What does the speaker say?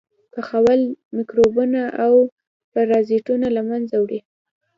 پخول میکروبونه او پرازیټونه له منځه وړي.